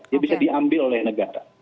ya bisa diambil oleh negara